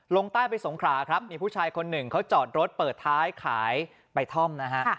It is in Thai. ลงใต้ไปสงขราครับมีผู้ชายคนหนึ่งเขาจอดรถเปิดท้ายขายใบท่อมนะฮะ